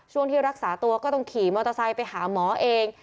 ช่วงที่รักษาตัวก็ต้องขี่มอเตอร์ไซค์ไปหาหมอเอง